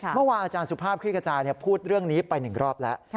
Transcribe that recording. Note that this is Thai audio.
เมื่อวานอาจารย์สุภาพคลิกระจายพูดเรื่องนี้ไป๑รอบแล้ว